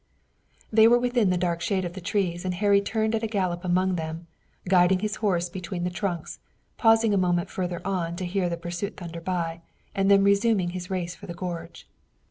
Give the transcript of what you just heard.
They were within the dark shade of the trees and Harry turned at a gallop among them, guiding his horse between the trunks, pausing a moment further on to hear the pursuit thunder by, and then resuming his race for the gorge.